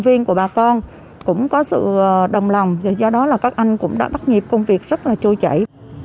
viên của bà con cũng có sự đồng lòng do đó là các anh cũng đã bắt nhịp công việc rất là trôi chảy